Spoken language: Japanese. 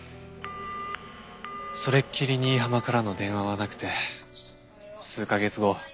それっきり新浜からの電話はなくて数カ月後。